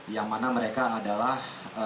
yang mana mereka adalah